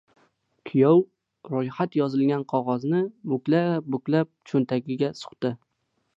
Kuyov ro‘yxat yozilgan qog‘ozni buklab-buklab cho‘ntagiga suqdi.